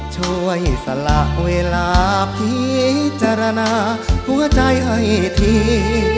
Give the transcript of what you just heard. ช่วยสละเวลาพิจารณาหัวใจให้ที